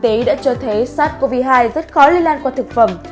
tế đã cho thấy sars cov hai rất khó lây lan qua thực phẩm